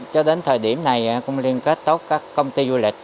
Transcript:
cho đến thời điểm này cũng liên kết tốt các công ty du lịch